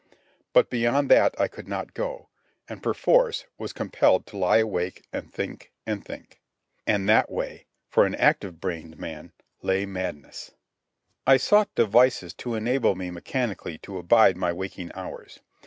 But beyond that I could not go, and, perforce, was compelled to lie awake and think and think. And that way, for an active brained man, lay madness. I sought devices to enable me mechanically to abide my waking hours.